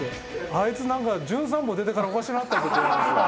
「あいつなんか『じゅん散歩』出てからおかしなったぞ」って言われますよ。